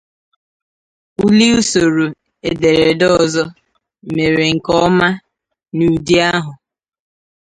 Uli, usoro ederede ọzọ, mere nke ọma n'ụdị ahụ.